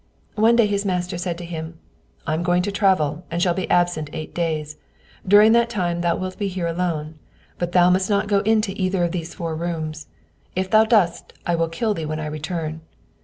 One day his master said to him: "I am going to travel, and shall be absent eight days. During that time thou wilt be here alone: but thou must not go into either of these four rooms; if thou dost, I will kill thee when I return."